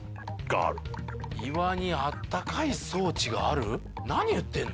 ある岩にあったかい装置がある？